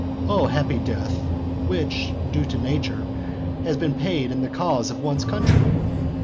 Oh happy death, which, due to nature, has been paid in the cause of one's country!